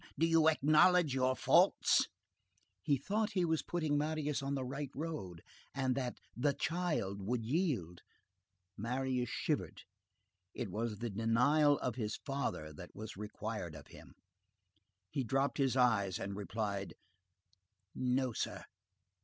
Do you acknowledge your faults?" He thought he was putting Marius on the right road, and that "the child" would yield. Marius shivered; it was the denial of his father that was required of him; he dropped his eyes and replied:— "No, sir."